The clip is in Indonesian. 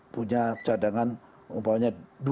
punya cadangan umpamanya